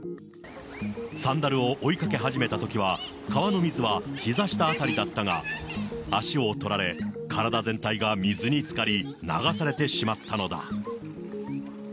サンダルを追いかけ始めたときは、川の水はひざ下辺りだったが、足を取られ、体全体が水につかり、流されてしまったのだ。